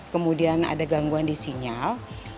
kemudian ada gangguan di sinyal